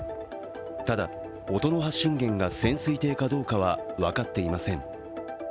ただ、音の発信源が潜水艇かどうかは分かっていません。